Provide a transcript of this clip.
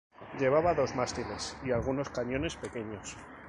Llevaba dos mástiles y algunos cañones pequeños.